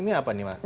ini apa nih mbak